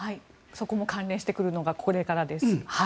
そこも関連してくるのがこれからです。